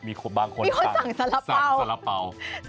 มีคนสั่งสาลาเป๋า